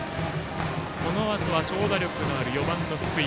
このあと長打力のある４番の福井。